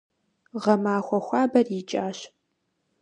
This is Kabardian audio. Гъэмахуэ хуабэр икӀащ.